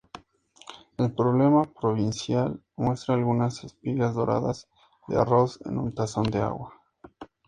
El emblema provincial muestra algunas espigas doradas de arroz en un tazón de agua.